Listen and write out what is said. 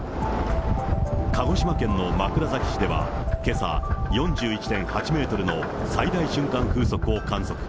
鹿児島県の枕崎市では、けさ、４１．８メートルの最大瞬間風速を観測。